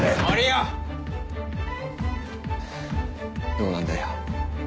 どうなんだよ？